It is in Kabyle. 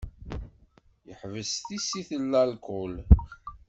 Yeḥbes tissit n larkul.